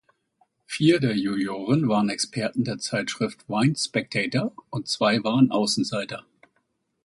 Vier der Juroren waren Experten der Zeitschrift "Wine Spectator", und zwei waren Außenseiter.